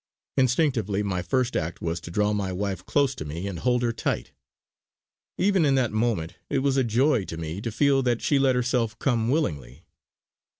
Instinctively my first act was to draw my wife close to me and hold her tight. Even in that moment it was a joy to me to feel that she let herself come willingly.